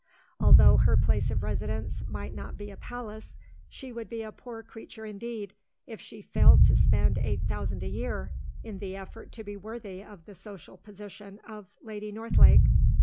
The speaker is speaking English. Although her place of residence might not be a palace, she would be a poor creature indeed, if she failed to spend eight thousand a year, in the effort to be worthy of the social position of Lady Northlake.